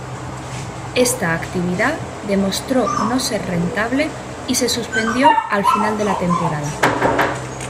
Esta actividad demostró no ser rentable, y se suspendió al final de la temporada.